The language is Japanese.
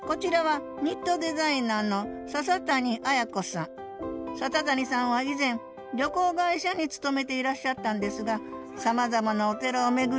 こちらは笹谷さんは以前旅行会社に勤めていらっしゃったんですがさまざまなお寺を巡り